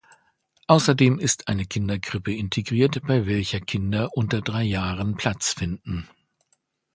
Außerdem ist eine Kinderkrippe integriert, bei welcher Kinder unter drei Jahren Platz finden.